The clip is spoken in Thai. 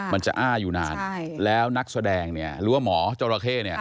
มันจะอ้าอยู่นานแล้วนักแสดงหรือว่าหมอจราเข้